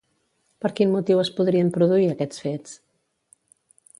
Per quin motiu es podrien produir aquests fets?